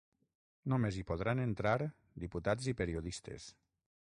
Només hi podran entrar diputats i periodistes.